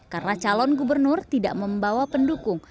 karena calon gubernur tidak membawa pendukung